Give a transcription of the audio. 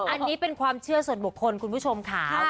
อันนี้เป็นความเชื่อส่วนบุคคลคุณผู้ชมค่ะ